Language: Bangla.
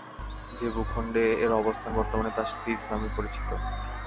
যে ভূখণ্ডে এর অবস্থান, বর্তমানে তা সীস নামে পরিচিত।